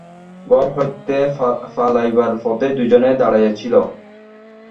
ঘর হইতে পালাইবার পথেই দুজনে দাঁড়াইয়া ছিল।